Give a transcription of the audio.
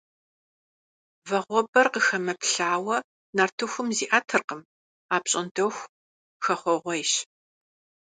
Вагъуэбэр къыхэмыплъауэ нартыхум зиӀэтыркъым, апщӀондэху хэхъуэгъуейщ.